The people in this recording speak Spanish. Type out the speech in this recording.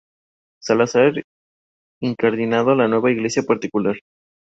Salazar incardinado a la nueva Iglesia particular.